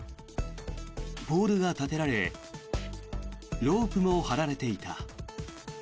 ポールが立てられロープも張られていた。